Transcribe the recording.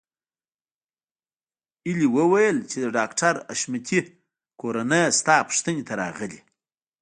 هيلې وویل چې د ډاکټر حشمتي کورنۍ ستا پوښتنې ته راغلې